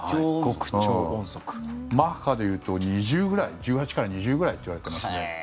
マッハでいうと１８から２０ぐらいといわれていますね。